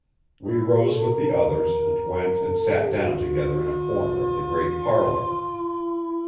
We rose with the others and went and sat down together in a corner of the great parlour.